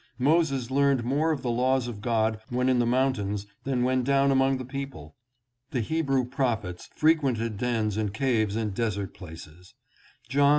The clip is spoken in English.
Moses learned more of the laws of God when in the mountains than when down among the people. The Hebrew prophets frequented dens and caves and desert places. John 708 LIFE IN THE EAST.